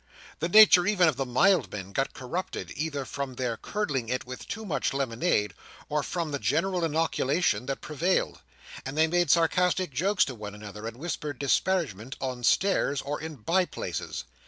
The nature even of the mild men got corrupted, either from their curdling it with too much lemonade, or from the general inoculation that prevailed; and they made sarcastic jokes to one another, and whispered disparagement on stairs and in bye places.